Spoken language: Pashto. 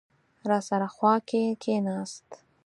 راسره خوا کې کېناست.